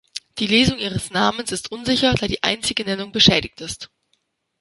Die Lesung ihres Namens ist unsicher, da die einzige Nennung beschädigt ist.